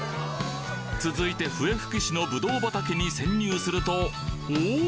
続いて笛吹市のぶどう畑に潜入するとおお！